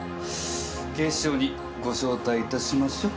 警視庁にご招待いたしましょ。